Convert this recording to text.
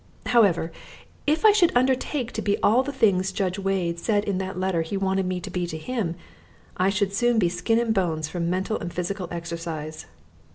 However, if I should undertake to be all the things Judge Wade said in that letter he wanted me to be to him, I should soon be skin and bones from mental and physical exercise.